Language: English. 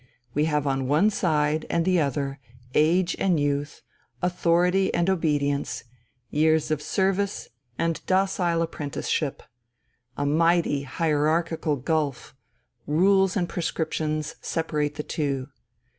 We have on one side and the other age and youth, authority and obedience, years of services and docile apprenticeship a mighty hierarchical gulf, rules and prescriptions, separate the two.